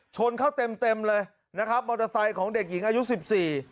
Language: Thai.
ชนเข้าเต็มเต็มเลยนะครับมอเตอร์ไซค์ของเด็กหญิงอายุสิบสี่